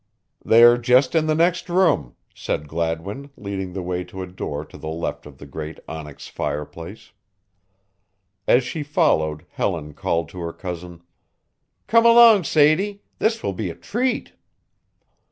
"They are just in the next room," said Gladwin, leading the way to a door to the left of the great onyx fireplace. As she followed, Helen called to her cousin: "Come along, Sadie, this will be a treat!"